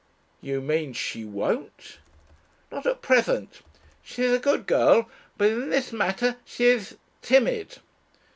"You mean she won't?" "Not at present. She is a good girl, but in this matter she is timid.